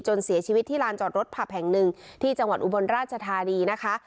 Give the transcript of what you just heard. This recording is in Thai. เสียชีวิตที่ลานจอดรถผับแห่งหนึ่งที่จังหวัดอุบลราชธานีนะคะ